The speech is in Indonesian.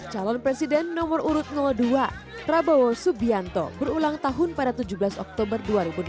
calon presiden nomor urut dua prabowo subianto berulang tahun pada tujuh belas oktober dua ribu delapan belas